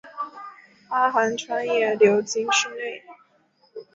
阿寒川也流经市内。